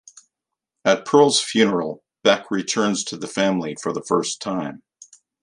At Pearl's funeral, Beck returns to the family for the first time.